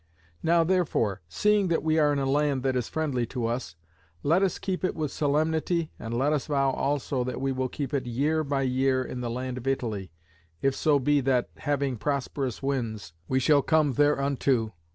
Now, therefore, seeing that we are in a land that is friendly to us, let us keep it with solemnity. And let us vow also that we will keep it year by year in the land of Italy, if so be that, having prosperous winds, we shall come thereunto.